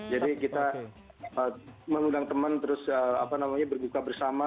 jadi kita mengundang teman terus berdua bersama